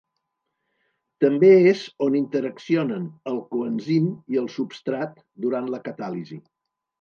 També és on interaccionen el coenzim i el substrat durant la catàlisi.